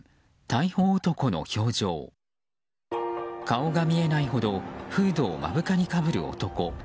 顔が見えないほどフードを目深にかぶる男。